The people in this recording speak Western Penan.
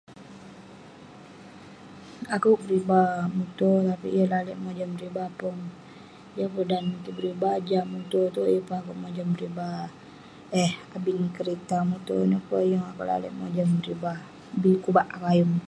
Akeuk beriba muto tapik yeng lalek mojam beriba pong. Yeng pe dan kik beriba jah muto yeng peh akeuk mojam beriba eh abin kerita muto ineh pe yeng akeuk lalek mojam beriba. Bi kubak akeuk ayuk.